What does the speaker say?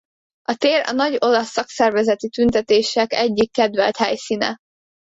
A tér a nagy olasz szakszervezeti tüntetések egyik kedvelt helyszíne.